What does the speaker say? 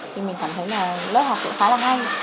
thì mình cảm thấy là lớp học cũng khá là hay